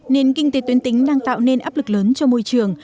nền kinh tế tuyến tính đang tạo nên áp lực lớn cho môi trường